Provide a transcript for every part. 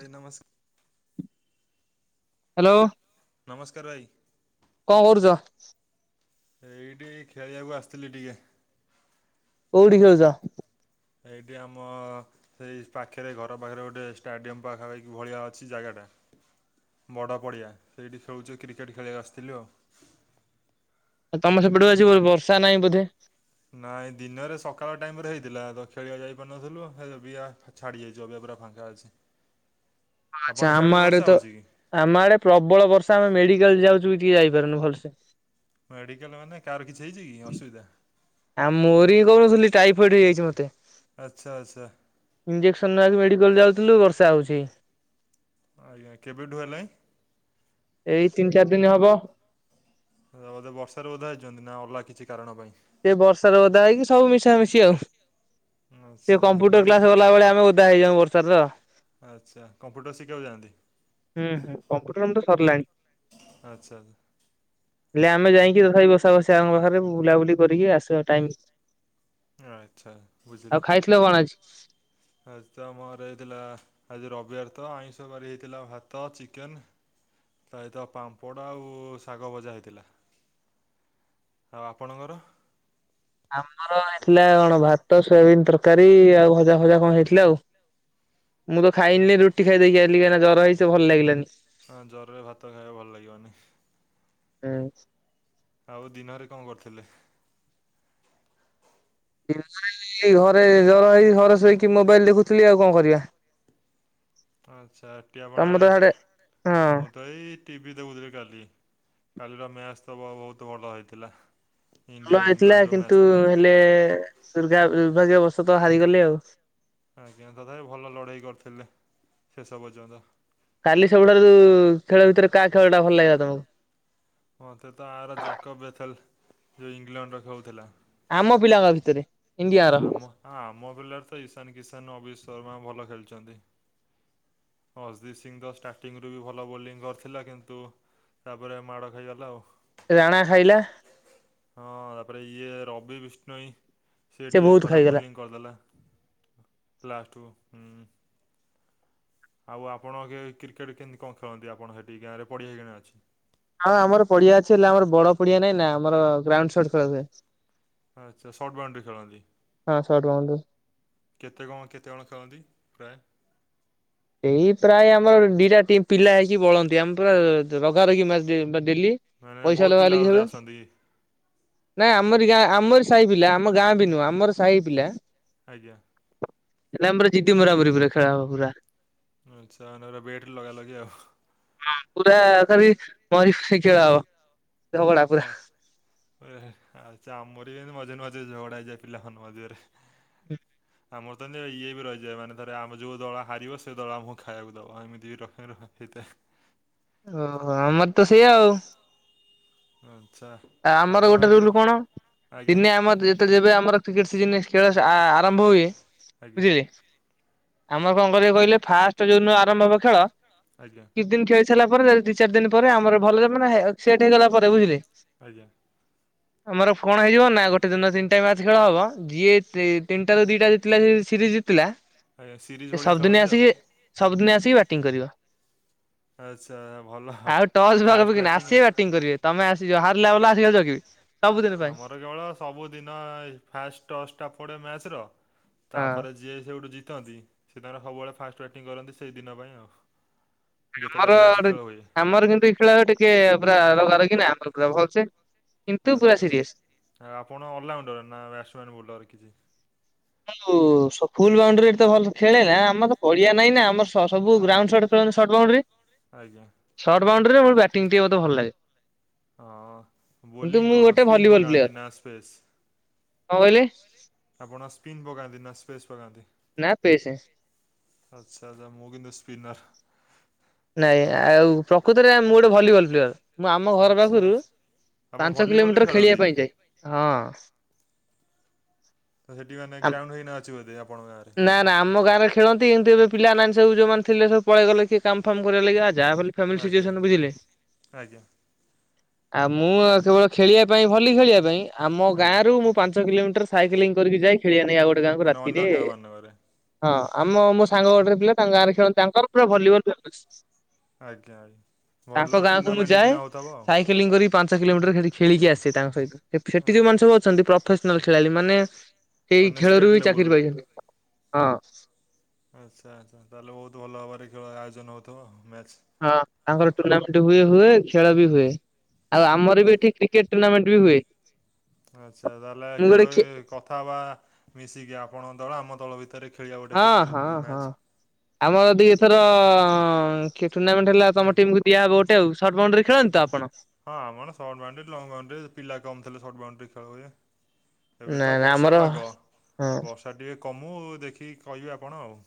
ଭାଇ ନମ ହାଲୋ। ନମସ୍କାର ଭାଇ। କଣ କରୁଚ? ଏଇଠି ଏଇ ଖେଳିବାକୁ ଆସିଥିଲି ଟିକେ। କୋଉଠି ଖେଳୁଚ? ଏଇଠି ଆମ ସେଇ ପାଖରେ ଘର ପାଖରେ ଗୋଟେ ଷ୍ଟାଡିୟମ ପାଖାପାଖି ଭଳିଆ ଅଛି ଜାଗାଟା ବଡ ପଡିଆ ସେଇଠି ଖେଳୁଚି କ୍ରିକେଟ୍ ଖେଳି ବାକୁ ଆସିଥିଲି ଆଉ। ଆଉ ତମ ସେପଟକୁ ଆଜି ବ-ବର୍ଷା ନାହିଁ ବୋଧେ। ନାଇଁ ଦିନରେ ସକାଳ ଟାଇମ୍ ରେ ହେଇଥିଲା ତ ଖେଳିବା ଯାଇପାରୁନଥିଲୁ ହେଲେ [unintelligible] ଛାଡି ଯାଇଚି ଏବିକା ପୁରା ଫାଙ୍କା ଅଛି। ହଁ ଆଚ୍ଛା ଆମ ଆଡେ ତ ଆମ ଆଡେ ପ୍ରବଳ ବର୍ଷା। ଆମେ ମେଡିକାଲ ଯାଉଚୁ ବି ଟିକେ ଯାଇପାରୁନୁ ଭଲସେ। ମେଡିକାଲ ମାନେ କାହାର କିଛି ହେଇଚି କି ଅସୁବିଧା। ଆଉ ମୋର କୋହୁଥିଲି ଟାଇଫଏଡ୍ ହେଇଯାଇଚି ମତେ। ଇଞ୍ଜେକ୍ସନ ନବାକୁ ମେଡିକାଲ ଯାଉଥିଲୁ ବର୍ଷା ହୋଉଚି। ଆଜ୍ଞା କେବେଠୁ ହେଲାଣି? ଏଇ ତିନି ଚାରି ଦିନ ହବ। ବୋଧେ ବର୍ଷାରେ ଓଦା ହେଇଚନ୍ତି ନା ଅଲଗା କିଛି କାରଣ ପାଇଁ। ସେ ବର୍ଷା ଓଦା ହେଇକି ସବୁ ମିଶାମିଶି ଆଉ ସେ କମ୍ପ୍ୟୁଟର କ୍ଲାସ ଗଲାବେଳେ ଆମେ ଓ ଦା ହେଇଯାଉଁ ବର୍ଷାର ଆଚ୍ଛା କମ୍ପ୍ୟୁଟର ଶିଖିବାକୁ ଯାଆନ୍ତି। ହୁଁ ହୁଁ କମ୍ପ୍ୟୁଟର ମୋର ତ ସରିଲାଣି‌। ଆଚ୍ଛା ଆଚ୍ଛା। ହେଲେ ଆମେ ଯାଇକି ତଥାପି ବସା ବସା ପାଖରେ ବୁଲାବୁଲି କରିକି ଆସିବା ଟାଇମ୍ ଆଚ୍ଛା ବୁଝିଲି। [unintelligible] କଣ ଅଛି। ଆଜି ତ ଆମ ଘରେ ହେଇଥିଲା। ଆଜି ରବିବାର ତ ଆଇଁଷ ବାରି ହେଇଥିଲା ଭାତ ଚିକେନ ତା ତାହିତ ପାମ୍ପଡ଼ ଆଉ ଶାଗ ଭଜା ହେଇଥିଲା। ଆଉ ଆପଣଙ୍କର? ଆମର ହେଇଥିଲା କଣ ଭାତ ସୋୟାବିିନ ତରକାରୀ ଆଉ ଭଜା ଫଜା କଣ ହେଇଥିଲା ଆଉ। ମୁଁ ତ ଖାଇଲିନି ରୁଟି ଖାଇ ଦେଇକି ଆଇଲି କାହିଁକି ନା ଜର ହେଇଚି ତ ଭଲ ଲାଗିଲାନି। ହଁ ଜରରେ ଭାତ ଖାଇବାକୁ ଭଲ ଲାଗିବନି। ହୁଁ ଆଉ ଦିନରେ କଣ କରିୁଥିଲେ ଘରେ ଜର ହେଇ ହରସଇକି ମୋବାଇଲ ଦେଖୁଥିଲି ଆଉ କଣ କରିବା ଆଚ୍ଛା ଏ ଟି ଆପଣ ମୁଁ ତ ଏଇ ଟିଭି ଦେଉଥିଲି କାଲି କାଲିର ମ୍ୟାଚ ତ ବହୁତ ଭଲ ହେଇଥିଲା ଭଲ ହେଇଥିଲା କିନ୍ତୁ ହେଲେ ଦୁର୍ଗା ଦୁର୍ଭାଗ୍ୟ ବଶତଃ ହାରିଗଲେ ଆଉ ଆଜ୍ଞା ତଥାପି ଭଲ ଲଢ଼େଇ କରିଥିଲେ ଶେଷ ପର୍ଯ୍ୟନ୍ତ କାଲି ସବୁଠାରୁ ଯ ଖେଳ ଭିତରେ କାହା ଖେଳ ଟା ଭଲ ଲାଗା ତମକୁ ମୋତେ ତ ଆର ଜାକବ ବେଥେଲ ଯେଉ ଇଂଲଣ୍ଡର ଖେଉଥିଲା ଆମ ପିଲାଙ୍କ ଭିତରେ ଆମ ଆମ ପିଲାରେ ତ ଇଶାନ କିଶାନ ଅବି ଶର୍ମା ଭଲ ଖେଳିଛନ୍ତି ଅଜଦିତ ସିଂ ତ ଷ୍ଟାର୍ଟିଂରୁୁ ବି ଭଲ ବୋଲିଂ କରିଥିଲା କିନ୍ତୁ ତାପରେ ମାଡ଼ ଖାଇଗଲା ଆଉ ରାଣା ଖାଇଲା ହଁ ତାପରେ ଇଏ ରବି ବିଷ୍ଣୁ ସି ଟିକେ ଖରାପ ବୋଲିଂ କରିଦେଲା ଲାଷ୍ଟକୁ ଆଉ ଆପଣ କ୍ରିକେଟ୍ କେମିତି କଣ ଖେଳନ୍ତି ଆପଣ ସେଠି ଗାଁରେ ପଡ଼ିଆ କିଣେ ଅଛି ହଁ ଆମର ପଡିଆ ଅଛି ହେଲେ ଆମର ବଡ ପଡିଆ ନାଇଁ ନା ଆମର ଗ୍ରାଉଣ୍ଡଟ ଖେଳ ହୁଏ ଆଚ୍ଛା ସର୍ଟ ବାଉଣ୍ଡରେ ଖେଳନ୍ତି କେତେ କଣ କେତେ କଣ ଖେଳନ୍ତି ପ୍ରାୟ ଏଇ ପ୍ରାୟ ଆମର ଦିଟା ପିଲା ହେଇକି ବଳନ୍ତି ଆମେ ପୁରା ରଗ ରଖି ଡଲି ମାନେ ବହୁତ ପିଲା ବଧେ ଆସନ୍ତି ନାଇଁ ଆମରି ଗାଁ ଆମର ସାହି ପିଲା ଆମ ଗାଁ ବି ନୁହଁ ଆମର ସାହି ପିଲା ଆଜ୍ଞା ହେଲେ ଆମର ଜିଦି ମରାବରି ପୁରା ଖେଳ ହ ପୁରା ହେଛ ଆର ବେଟ୍ ଲଗା ଲଗି ଆଉ ହଁ ପୁରା ଖାଲି ମରି ସେ ଖେଳ ହବ ଝଗଡା ପୁରା ଆଛା ଆମରରି ଏତି ମଜେ ନ ମଜେ ଝଗଡା ହେଇଯାଏ ପିଲାମାନ ମଝରେ ହୁଁ ଆମର ତମିତି ଇଏ ବି ରହିଯାଏ ମାନେ ଧରେ ଆମ ଯୋଉ ଦଳ ହାରିବ ସେଇ ଦଳ ଆମକୁ ଖାଇବାକୁ ଦବ ଏମିତି ବି ର ଏତେ ଓହୋ ଆ ମର ତ ସେଇଆା ଆଉ ଆଚଛା ଆ ଆମର ଗୋଟେ ରୁଲ କଣ ଦିନେ ଆମର ଯେତେ ଯେବେ ଆମର କ୍ରିକେଟ ସିଜ ଖେଳ ଆରମ୍ଭ ହୁଏ ବୁଝି ଆମର କଣ କରିବ କହିଲେ ଫାଷ୍ଟ ଯୋଉନ ଆରମ୍ଭ ହବ ଖେଳ କେତ ଦିନ ଖେଳ ପରେ ଦି ଚାରି ଦିନ ପରେ ଆମର ଭଲରେ ମାନେ ସେଟ୍ ହେଇଗଲା ପରେ ବୁଝିଲେ ଆଜ୍ଞା ଆମର କଣ ହେଇିବ ନା ଗୋେ ଦିନ ଟା ମ୍ୟାଚ୍ ଖେଳ ହବ ଯିଏ ତିନିଟାରୁ ଦିଟା ଯେଥିଲା ସିରିଜ୍ ଥିଲା ସେ ସବୁଦିନେ ଆସିକି ସବୁଦିନେ ଆସିକି ବାଟିଂ କରିବ ଆଚ୍ଛା ଭଲ ଫାଷ୍ଟ ବାଟିଙ୍ଗ କରିବେ ତମେ ଆସି ହାରିଲା ବ ଆସିବି ଆମର କେବଳ ସବୁଦିନ ଫାଷ୍ଟ ଟସ୍ ଟା ପଡେ ମ୍ୟାଚ ର ତାପରେ ଯିଏ ସେ ଗୋଠୁ ଜିତନ୍ତି ସେ ତାଙ୍କ ସବୁବେଳେ ଫାଷ୍ଟ ବ୍ୟାଟିଂ କରନ୍ତି ସେଇ ଦିନ ପାଇଁ ଆଉ ଆମର ଆମର କିନ୍ତୁ ଏଇ ଖେଳ ଟିକେ ପୁରା ଲଗା ଲ କି ନା ଆମର ଖ ଭଲସେ ଆଚ୍ଛା ଆପଣ ଅଲରାଉଣ୍ଡର ନାଟମ ବୁଲର କିଛି ହଁ ଫୁଲ ବାଉଣ୍ଡରୀରେ ତ ଭଲ ଖେଳେ ନା ଆମର ତ ପଡିଆ ନାଇଁ ନା ଆମର ସବୁ ଗ୍ରାଉଣ୍ଡ ସଟ ଖେଳ ସର୍ଟ ବାଉଣ୍ଡରୀ ଆଜ୍ଞା ସର୍ଟ ବାଉଣ୍ଡରେ ମୋର ବ୍ୟାଟି ଟିଏ ମତେ ଭଲ ଲାଗେ। ହଁ ବୋଲିଂ କଣ ସ୍ପିନ୍ ପକାନ୍ତି ନା ସ୍ପେସ୍। କଣ କହିଲେ? ଆପଣ ସ୍ପିନ୍ ପକାନ୍ତି ନା ସ୍ପେସ୍ ପକାନ୍ତି? ନା ପସେ ଆଚ୍ଛା ଆଚ୍ଛା ମୁଁ କିନ୍ତୁ ସ୍ପିନର୍। ନାଇଁ ଆଉ ପ୍ରକୃତରେ ମୁଁ ଗୋଟେ ଭଲିବଲ୍ ପ୍ଲେୟର। ମୁଁ ଆମ ଘର ପାଖରୁ ପାଞ୍ଚ କିଲୋମିଟର ଖେଳିବା ପାଇଁ ଯା ହଁ। ତ ସେଠି ମାନେ ଗ୍ରାଉଣ୍ଡ ହେଇନା ଅଛି ବୋଧେ ଆପଣାଙ୍କ ଗାଁରେ। ନା ନା ଆମ ଗାଁରେ ଖେଳନ୍ତି କିନ୍ତୁ ଏବେ ପିଲାମାନେ ସବୁ ଯୋଉମାନେ ଥିଲେ ସବୁ ପଳେଇ ଗଲେ କିଏ କାମ ଫାମ କରିବା ଲାଗି ଆ ଯାହା ହେଲେ [unintelligible] ବୁଝିଲେ। ଆଉ ମୁଁ କେବଳ ଖେଳିବା ପାଇଁ ଭଲି ଖେଳିବା ପାଇଁ ଆମ ଗାଁରୁ ମୁଁ ପାଞ୍ଚ କିଲୋମିଟର ସାଇକେଲିଂ କରିକ ଯାଇ ଖେଳଆନି ଆଉ ଗୋଟେ ଗାଁକୁ ରାତିରେ ନଅରେ ହଁ ଆମ ମୋ ସାଙ୍ଗ ଗୋଟରେ ପିଲା ତାଙ୍କ ଗାଁରେ ଖେଳନ୍ତି ତାଙ୍କର ପୁରା ଭଲିବଲ ଖେଳ [unintelligible] ଆଜ୍ଞା ଆଜ୍ଞା ଭଲ ଟୁର୍ଣ୍ଣାମେଣ୍ଟ ହେଇକକିନା ହେଉଥବ ଆଉ। ଲିଂ ପାଞ୍ଚ କିଲୋମିଟର ଖେଳିକି ଆସେ ତାଙ୍କ ସହିତ ସେ-ସେଠି ଯୋଉମାନେ ସବୁ ଅଛନ୍ତି ପ୍ର ପ୍ରେଫେସନାଲି ଖେଳାଳି ମାନେ ସେଇ ଖେଳରୁ ବି ଚାକିରି ପାଇଛନ୍ତି ହଁ। ଆଚ୍ଛା ଆଚ୍ଛା ତାହେଲେ ବହୁତ ଭଲ ଭାବରେ ଖେଳ ଆୟୋଜନ ହେଉଥିବ ମ୍ୟାଚ୍। ହଁ ତାଙ୍କର ଟୁର୍ଣ୍ଣାମେଣ୍ଟ ହୁଏ ହୁଏ ଖେଳ ବି ହୁଏ ଆଉ ଆମର ବି ଠିକ କ୍ରେଟ ଟୁର୍ନାମେଟ ବି ହୁଏ। ଆଚ୍ଛା ତାହେଲେ କେବେ କଥା ହେବା ମିଶିକି ଆପଣଙ୍କ ଦଳ ଆମ ତଳ ଭିତ ଥରେ ଖେଳିବା ଗୋଟେ କ୍ରିକେଟ ଓପନ ମ୍ୟାଚ। ଆମର ଯଦି ଏଥର କି ଟୁର୍ଣାମେଣ୍ଟ ହେଲା ତମ ଟିମକୁ ପିଆ ହେବ ଗୋଟେ ଆ ସର୍ଟ ବାଉଣ୍ଡରୀ ଖେଳନ୍ତ ତ ଆପଣ? ହଁ ଆମର ସର୍ଟ ବାଉଣ୍ଡରୀ ଲଙ୍ଗ ବାଉଣ୍ଡରି ପିଲା କମ ଥିଲେ ସର୍ଟ ବାଉଣ୍ଡରି ଖେଳ ହୁଏ। ଏବେ ତ ବର୍ଷା ପାଗ ବର୍ଷା ଟିକେ କମୁ ଦେଖିକି କହିବେ ଆପଣ ଆଉ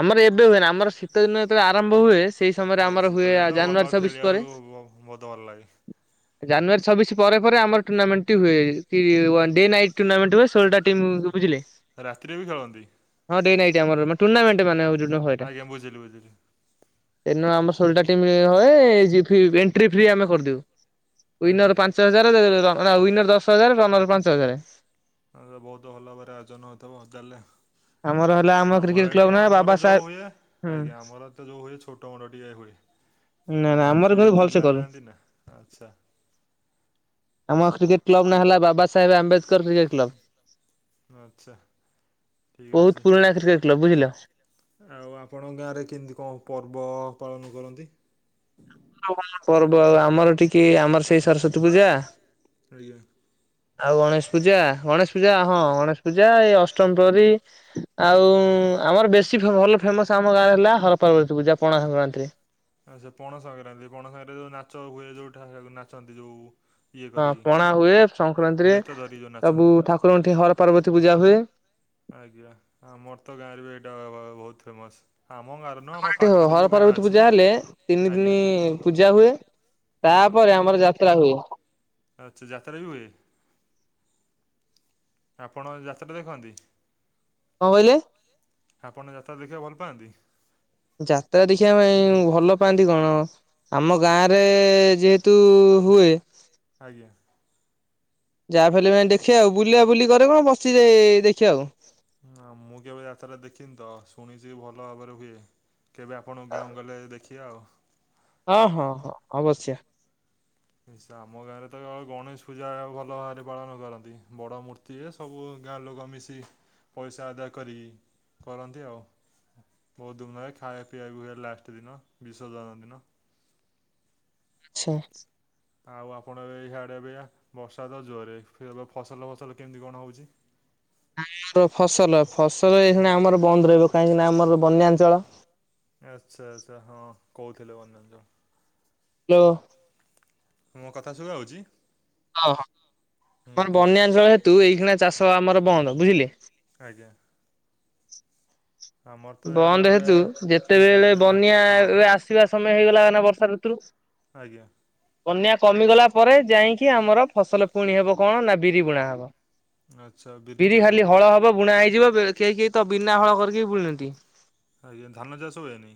ଆମର ଏବେ ହୁଏନ ଆମର ଶୀତ ଦିନ ଯେତେବେଳେ ଆରମ୍ଭ ହୁଏ। ସେଇ ସମୟରେ ଆମର ହୁଏ ଜାନୁଆରୀ ଛବିଶ ପରେ। ଜାନୁଆରୀ ଛବିଶ ପରେ ଆମର ଟୁର୍ଣ୍ଣାମେଣ୍ଟ ଟି ହୁଏ ଏଇ ୱା ଡେ ନାଇଟ୍ ଟୁର୍ଣ୍ଣମେଣ୍ଟ ହୁଏ ଷୋଳଟା ଟିମ୍ ବୁଝିଲେ। ରାତିରେ ବି ହଁ ଦେଇ ନାଇ ଏଇ ଆମର ଟୁର୍ଣ୍ଣାମେଟ ମାନେ [unintelligible] ହେଏଟା। ଏନୁ ଆମର ସୋଳଟା ଟିମ୍ ହଏ ଫି ଏଣ୍ଟ୍ରି ଫ୍ରି ଆମେ କରି ଦେଉ। ୱିନର ପାଞ୍ଚ ହଜାର ରନ ୱିନର ଦଶ ହଜାର ରନର ପାଞ୍ଚ ହଜାର। ବହୁତ ଭଲ ଭାବରେ ଆୟୋଜନ ହଉଥିବ ହୋଉ ତାହେଲେ ଆମର ଏଠି ଆମର ଯୋଉ ହୁଏ ଆଜ୍ଞା ଆମର ଏତ ଯୋଉ ହୁଏ ଛୋଟ ମୋଟ ଟିକେ ହୁଏ। ଆ ଆମର ଏତେ ପିଇିଲ ନାହାନ୍ତି ନା ଆଛା। ଆମ କ୍ରିକେଟ କ୍ଲବ୍ ହେଲା ନାଁ ହେଲା ବା ଆଚ୍ଛା। ଠିକ୍ ଅଛି। ଆଉ ଆପଣଙ୍କ ଗାଁରେ କେମିତି କଣ ପର୍ବ ପାଳନ କରନ୍ତି? କ ପର୍ବ ଆଉ ଆମର ଟିକେ ଆମର ସେଇ ସରସ୍ଵତୀ ପୂଜା। ଆଉ ଗଣେଶ ପୂଜା ଗଣେଶ ପୂଜା ହଁ ଗଣେଶ ପୂଜା ଏଇ ଅଷ୍ଟମି ପରି ଆଉ ଆମର ବେଶୀ ଭଲ ଫେମସ ଆମ ଗାଁ ହେଲା ହରପାର୍ବତୀ ପୂଜା ପଣା ସଂକ୍ରାନ୍ତିରେ। ଆ ସେ ପଣାସକ୍ରାନ୍ତି ପଣାସଂକ୍ରାନ୍ତିରେ ଯୋଉ ନାଚ ହୁଏ ଯୋଉଠା ନାଚନ୍ତି ଯୋଉ ହଁ ପଣା ହୁଏ ସଂକ୍ରାନ୍ତିରେ ସବୁ ଠାକୁରଙ୍କଠି ହର ପାର୍ବତୀ ପୂଜା ହୁଏ। ଆଜ୍ଞା ଆମରିତ ଗାଁରେ ବି ଏଇଟା ଆଃ ବହୁତ ଫେମସ୍। ଆମର ଏଠି ହର ପାର୍ବତୀ ପୂଜା ହେଲେ ତିନି ଦିନି ପୂଜା ହୁଏ। ତାପରେ ଆମର ଯାତ୍ରା ହୁଏ। ଆଛା ଯାତ୍ରା ବି ହୁଏ। ଆପଣ ଯାତ୍ରା ଦେଖନ୍ତି। କଣ କହିଲେ? ଆପଣ ଯାତ୍ରା ଦେଖିବାକୁ ଭଲ ପାଆନ୍ତି। ଯାତ୍ରା ଦେଖିବା ପାଇଁ ଭଲ ପାଆନ୍ତି କଣ ଆମ ଗାଁ ରେ ଯେହେ ତୁ ହୁଏ। ଆଜ୍ଞା। ଯାହା ବି ହେଲେ ଦେଖେ ଆଉ ବୁଲା ବୁଲି କରେ କଣ ବସି ଯାଏଁ ଦେଖି ଆଉ। ହଁ ମୁଁ କେବେ ଯାତ୍ର ଦେଖିନି ତ ଶୁଣିଛି ଭଲ ଭାବରେ ହୁଏ। କେବେ ଆପଣ ଗାଁକୁ ଗଲେ ଦେଖିବା ଆଉ। ହଁ ହଁ ହଁ ଅବଶ୍ୟ। ନି ସ ଆମ ଗାଁରେ ତ କେବଳ ଗଣେଶ ପୂଜା ଭଲ ଭାବରେ ପାଳନ କରନ୍ତି ବଡ଼ ମୂର୍ତ୍ତି ଟଏ ସବୁ ଗାଁ ଲୋକ ମିଶି ପଇସା ଆଦାୟ କରି କରନ୍ତି ଆଉ। ବହୁତ ଧୁମଧାମ ଖାଇବା ପିଇବା ବି ହୁଏ ଲାଷ୍ଟ ଦିନ ବିସଜନ ଦିନ। ଛେ। ଆଉ ଆପଣ ଏବେ ଏଇଆଡ଼େ ଏବେ ବର୍ଷା ଜୋରେ ଫସଲ ଫସଲ କେମିତି କଣ ହେଉଛି? ଆମର ଫସଲ ଫସଲ ଏହିକ୍ଷୀଣା ଆମର ବନ୍ଦ ରହିବ କାହିଁକି ନା ଆମର ବନ୍ୟାଞ୍ଚଳ। ଆଛା ଆଛା ହଁ କହୁଥିଲେ ମନରଞ୍ଜନ। ହ୍ୟାଲୋ। ମୋ କଥା ଶୁଭା ହଉଛି। ଓହଁ ଆମର ବନ୍ୟାଞ୍ଚଳ ତୁ ଏଇକ୍ଷଣା ଚାଷ ଆମର ବନ୍ଦ ବୁଝିଲେ। ଆଜ୍ଞା। ବନ୍ଦ ହେତୁ ଯେତେବେଳେ ବନ୍ୟା ଆସିବା ସମୟ ହେଇଗଲା ବର୍ଷା ଋତୁ। ଆଜ୍ଞା। ବନ୍ୟା କମିଗଲା ପରେ ଯାଇକି ଆମର ଫସଲ ପୁଣି ହବ କଣ ନା ବିରି ବୁଣା ହବ। ବିରି ଖାଲି ହଳ ହବ ବୁଣା ହେଇଯିବ କେହି କେହି ତ ବିନା ହଳ କରିକି ବୁଣନ୍ତି। ଆଜ୍ଞା ଧାନ ଚାଷ ହୁଏନି।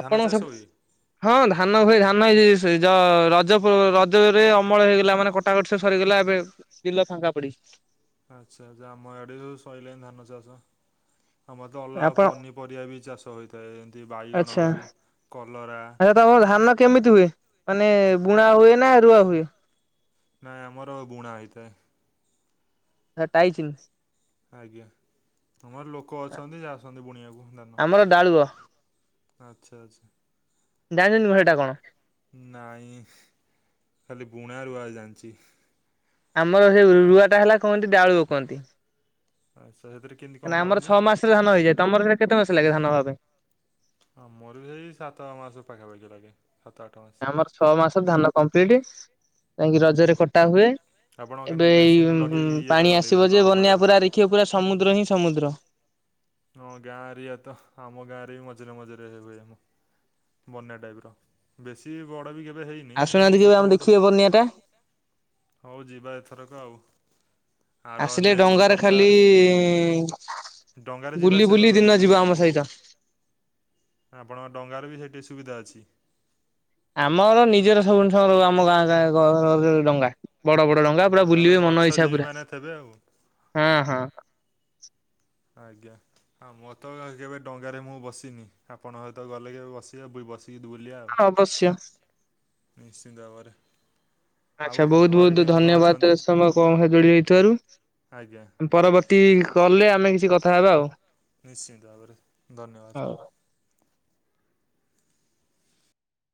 ଆପଣ ସବୁ ହଁ ଧାନ ହୁ ଧାନ ହେଇ ରଜ ପୂର୍ବ ରଜରେ ଅମଳ ହେଇଗଲା ମାନେ କଟାକଟି ସେ ସରିଗଲା ଏବେ ବିଲ ଫାଙ୍କା ପଡିଚି। ଆଛା ଆମ ଆଡେ ସଇଲାଣିି ଧାନ ଚାଷ। ଆମର ତ ଅଲଗା ପନିପରିବା ବି ଚାଷ ହୋଇଥାଏ ଏମିତି ବାଇଗଣ ହେଉ କଲରା। ତମ ଧାନ କେମିତି ହୁଏ ମାନେ ବୁଣା ହୁଏ ନା ରୁଆ ହୁଏ? ନାଇଁ ଆମର ବୁଣା ହୋଇଥାଏ। ସେ ଟାଇଚିନ। ଆଜ୍ଞା ଆମର ଲୋକ ଅଛନ୍ତି ଆସନ୍ତି ବୁଣିବାକୁ ଧାନ। ଆଛା ଆଛା। ଜାଣିନୁ ହେଟା କଣ। ନାଇଁ ଖାଲି ବୁଣା ରୁୁଆ ଜାଣିଛି। ଆମର ସେ ରୁଆ ଟା ହେଲା କୁହନ୍ତି ଡାଳୁଅ କୁହନ୍ତି। ଆଛା ସେଥିରେ କେମିତି କଣ କରନ୍ତି? ଧାନ ହେଇଯାଏ ତମର ସେ କେତେ ମାସ ଲାଗେ ଧାନ ହବା ପାଇଁ? ହଁ ମୋର ବି ସେଇ ସାତ ମାସ ପାଖାପାଖି ଲାଗେ ସାତ ଆଠ ମାସ। ଆମର ଛଅ ମାସ ଧାନ କମ୍ପ୍ଲିଟ ଯାଇକି ରଜରେ କ କଟା ହୁଏ ଏବେ ଏଇ ପାଣି ଆସିବ ଯେ ବନ୍ୟା ପୁରାରେ ଦେଖିବ ପୁରା ସମୁଦ୍ର ହିଁ ସମୁଦ୍ର ହଁ ଗାଁ ଏରିଆ ତ ଆମ ଗାଁ ରେ ବି ମଝିରେ ମଝିରେ ହେବେ ଏଇନୁ। ବନ୍ୟା ଟାଇପ ର ବେଶୀ ବଡ଼ ବି କେବେ ହେଇନି। କିନ୍ତୁ ଛୋଟ ମୋଟ ହଉ ଯିବା ଏଥରକ ଆଉ। ଆସିଲେ ଡଙ୍ଗାରେ ଖାଲି ବୁଲି ବୁଲି ଦିନ ଯିବ ଆମ ସହିତ। ଆପଣଙ୍କ ଡଙ୍ଗାର ବି ସେଟି ସୁବିଧା ଅଛି। ଆମର ନିଜର ସବୁ [unintelligible] ଆମ ଗାଁ ଗାଁ [unintelligible] ଡଙ୍ଗା। ବଡ ବଡ ଡଙ୍ଗା ପୁରା ବୁଲିବେ ମନ ଇଚ୍ଛା ପୁରା ହଁ ହଁ। ଆଜ୍ଞା ଆମ ତ କେବେ ଡଙ୍ଗାରେ ମୁଁ ବସିନି। ଆପଣଙ୍କ ସହିତ ଗଲେ କେବେ ବସିବା ବୁ ବସି। [unintelligible] ବୁଲିବା ଏ ସିଙ୍ଗାବରେ। ଆଚ୍ଛା ବହୁତ ବହୁତ ଧନ୍ୟବାଦ ଏତ ସମୟ କ [unintelligible] ସହ ଯୋଡି ହେଇଥିବାରୁ। ପରବର୍ ତୀ କଲେ ଆମେ କିଛି କଥା ହେବା ଆଉ। ନିଶ୍ଚିନ୍ତ ଭାବରେ ଧନ୍ୟବାଦ।